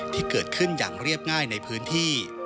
ที่เกิดขึ้นอย่างเรียบง่ายในพื้นที่